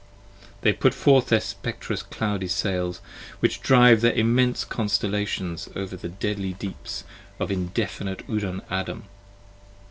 They put forth their spectrous cloudy sails; which drive their immense Constellations over the deadly deeps of indefinite Udan Adan.